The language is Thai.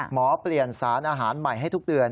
เปลี่ยนสารอาหารใหม่ให้ทุกเดือน